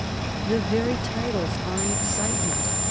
The very titles are an excitement.